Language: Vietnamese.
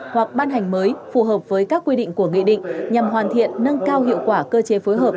hoặc ban hành mới phù hợp với các quy định của nghị định nhằm hoàn thiện nâng cao hiệu quả cơ chế phối hợp